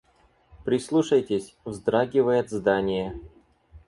Прислушайтесь — вздрагивает здание.